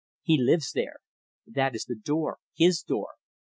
"He lives there. That is the door his door.